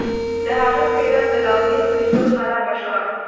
د هغه څیره د لوحې په لیدلو خرابه شوه